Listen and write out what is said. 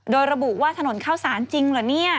โดยระบุว่าถนนเข้าสารจริงเหรอเนี่ย